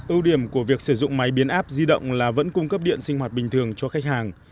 ưu điểm của việc sử dụng máy biến áp di động là vẫn cung cấp điện sinh hoạt bình thường cho khách hàng